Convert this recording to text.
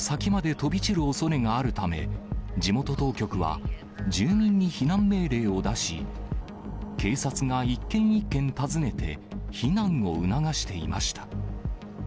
飛び散るおそれがあるため、地元当局は住民に避難命令を出し、警察が一軒一軒訪ねて避難を促していました。